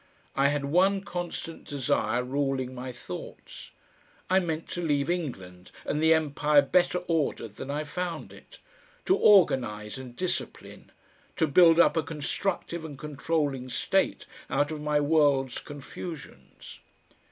I had one constant desire ruling my thoughts. I meant to leave England and the empire better ordered than I found it, to organise and discipline, to build up a constructive and controlling State out of my world's confusions.